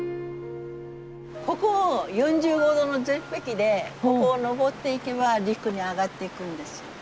ここ４５度の絶壁でここを登っていけば陸に上がっていくんです。